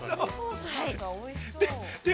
◆おいしそう。